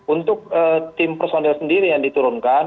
untuk tim personil sendiri yang diturunkan